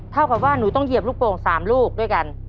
เท่ากับว่าหนูต้องเหยียบลูกโป่ง๓ลูกด้วยกัน